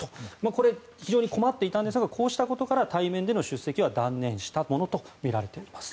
これ、非常に困っていたんですがこうしたことから対面での出席は断念したものとみられています。